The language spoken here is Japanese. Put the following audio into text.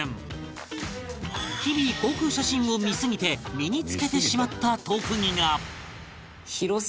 日々航空写真を見すぎて身に付けてしまった特技が